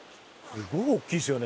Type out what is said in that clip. すごい大きいですよね